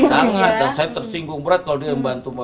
sangat dan saya tersinggung berat kalau dia membantu